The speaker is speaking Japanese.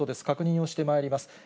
確認をしてまいります。